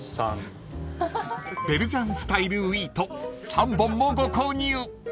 ［ベルジャンスタイルウィート３本もご購入］